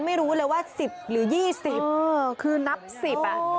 ไม่รู้เลยว่าสิบหรือยี่สิบเอิ่อคือนับสิบอ่ะอ้าว